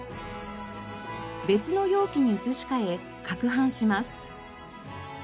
別の容器に移し替え攪拌します。